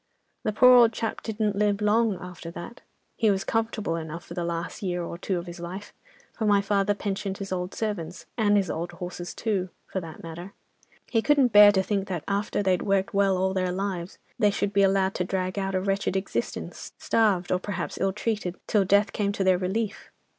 "The poor old chap didn't live long after that. He was comfortable enough for the last year or two of his life, for my father pensioned his old servants, and his old horses too, for that matter. He couldn't bear to think that after they'd worked well all their lives, they should be allowed to drag out a wretched existence, starved, or perhaps ill treated, till death came to their relief.